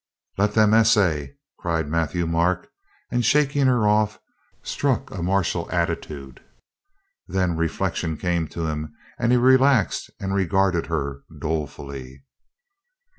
"Let them essay!" cried Matthieu Marc, and, shaking her off, struck a martial attitude. Then reflection came to him, and he relaxed and regarded her dolefully.